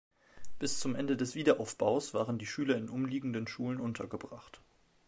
Bis zum Ende des Wiederaufbaus waren die Schüler in umliegenden Schulen untergebracht.